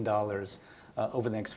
dalam lima tahun yang akan datang